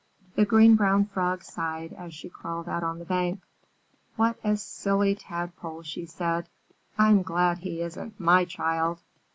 The Green Brown Frog sighed as she crawled out on the bank. "What a silly Tadpole," she said; "I'm glad he isn't my child!"